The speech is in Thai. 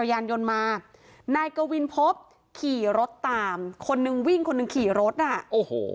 ยานยนต์มานายกวินพบขี่รถตามคนนึงวิ่งคนหนึ่งขี่รถอ่ะโอ้โห